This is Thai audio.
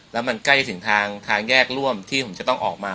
แล้วมันใกล้ถึงทางแยกร่วมที่ผมจะต้องออกมา